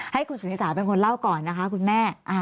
ให้คุณสุนิสาเป็นคนเล่าก่อนนะคะคุณแม่